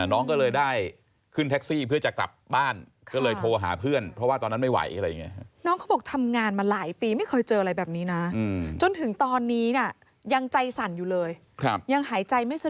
น้องก็เลยได้ขึ้นแท็กซี่เพื่อจะกลับบ้านก็เลยโทรหาเพื่อนเพราะว่าตอนนั้นไม่ไหวอะไรอย่างนี้